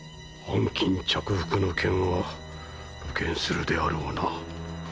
藩金着服の件は露見するであろうな。